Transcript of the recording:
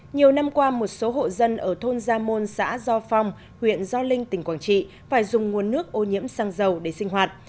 nhiều năm qua một số hộ dân ở thôn gia môn xã do phong huyện gio linh tỉnh quảng trị phải dùng nguồn nước ô nhiễm xăng dầu để sinh hoạt